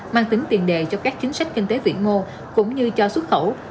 mang tính tiền đề cho các chính sách kinh tế vĩ mô cũng như cho xuất khẩu